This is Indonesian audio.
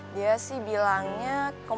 dia sih bener bener gak tau siapa mantannya adriana